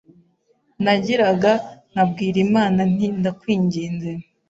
nagiraga nkabwira Imana nti ndakwinginze